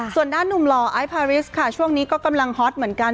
ส่วนด้านหนุ่มหล่อไอพาริสค่ะช่วงนี้ก็กำลังฮอตเหมือนกัน